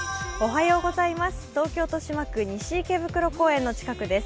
東京・豊島区、西池袋公園の近くです。